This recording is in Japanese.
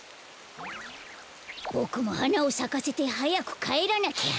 ボクもはなをさかせてはやくかえらなきゃ。